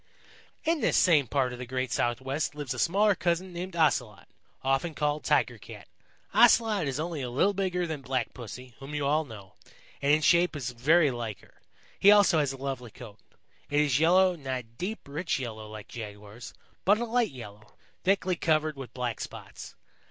"In this same part of the great Southwest lives a smaller cousin named Ocelot, often called Tiger Cat. Ocelot is only a little bigger than Black Pussy, whom you all know, and in shape is very like her. He also has a lovely coat. It is yellow, not a deep, rich yellow like Jaguar's, but a light yellow, thickly covered with black spots.